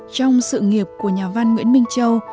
trong sự nghiệp của nhà văn nguyễn minh châu